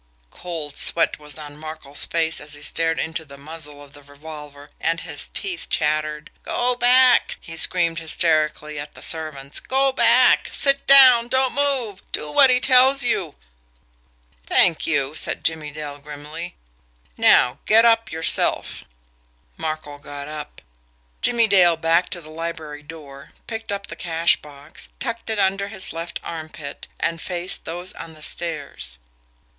Cold sweat was on Markel's face as he stared into the muzzle of the revolver, and his teeth chattered. "Go back!" he screamed hysterically at the servants. "Go back! Sit down! Don't move! Do what he tells you!" "Thank you!" said Jimmie Dale grimly. "Now, get up yourself!" Markel got up. Jimmie Dale backed to the library door, picked up the cash box, tucked it under his left armpit, and faced those on the stairs. "Mr.